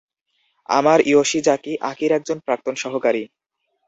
আমার ইয়োশিজাকি আকির একজন প্রাক্তন সহকারী।